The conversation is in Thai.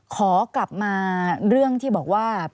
ขอกลับมาเรื่องที่บอกว่า